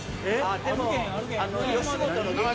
でも吉本の劇場。